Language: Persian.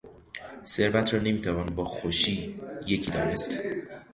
ثروت را نمیتوان با خوشی یکی دانست.